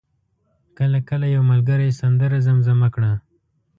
کله کله یو ملګری سندره زمزمه کړه.